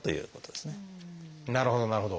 なるほどなるほど。